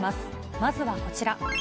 まずはこちら。